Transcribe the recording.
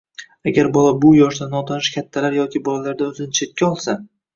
agar bola bu yoshda notanish kattalar yoki bolalardan o‘zini chetga olsa